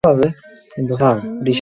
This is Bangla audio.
তারপরও আমরা চুপ থাকবো, স্যার?